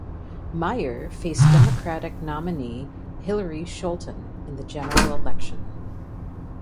Meijer faced Democratic nominee Hillary Scholten in the general election.